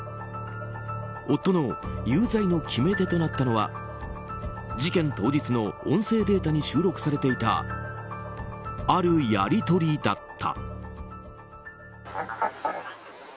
夫の有罪の決め手となったのは事件当日の音声データに収録されていたあるやり取りだった。